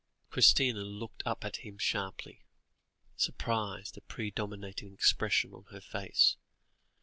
Christina looked up at him sharply, surprise the predominating expression on her face.